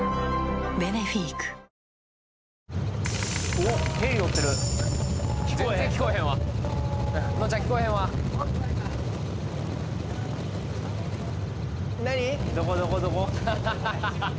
おっヘリ乗ってる全然聞こえへんわのんちゃん聞こえへんわははははっ